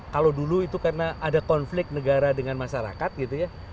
kalau dulu itu karena ada konflik negara dengan masyarakat gitu ya